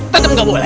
tetap nggak boleh